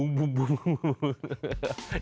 สงสัย